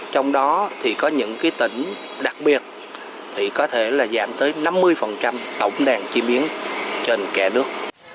trong đó thì có những tỉnh đặc biệt thì có thể giảm tới năm mươi tổng đàn chim yến trên cả nước